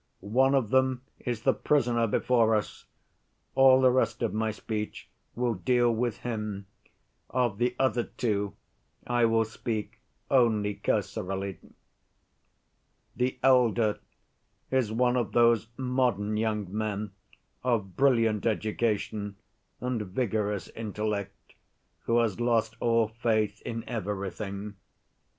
One of them is the prisoner before us, all the rest of my speech will deal with him. Of the other two I will speak only cursorily. "The elder is one of those modern young men of brilliant education and vigorous intellect, who has lost all faith in everything.